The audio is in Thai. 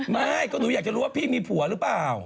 ไม่ก็หนูอยากจะรู้ว่าพี่มีผัวหรือเปล่า